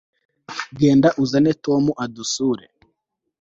genda uzane tom adusure